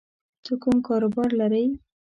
ته کوم کاروبار لری